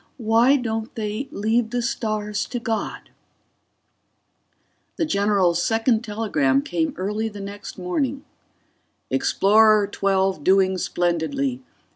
Why don't they leave the stars to God? The general's second telegram came early the next morning: Explorer XII _doing splendidly.